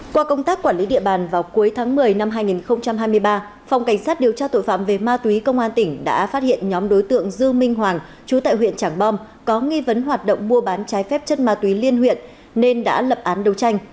qua công tác quản lý địa bàn vào cuối tháng một mươi năm hai nghìn hai mươi ba phòng cảnh sát điều tra tội phạm về ma túy công an tỉnh đã phát hiện nhóm đối tượng dư minh hoàng chú tại huyện trảng bom có nghi vấn hoạt động mua bán trái phép chất ma túy liên huyện nên đã lập án đấu tranh